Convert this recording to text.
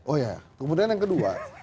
oh ya kemudian yang kedua